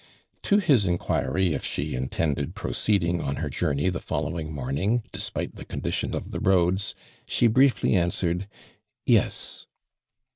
To his inquiry if sl»e intended proceeding on her journey the following morning, des pite the condition of the roads, she briefly, answered "yes."